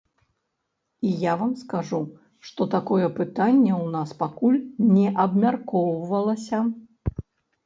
І я вам скажу, што такое пытанне у нас пакуль не абмяркоўвалася.